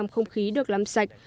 không khí được làm sạch